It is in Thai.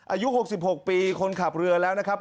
อายุ๖๖ปีคนขับเรือแล้วนะครับ